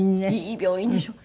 いい病院でしょ。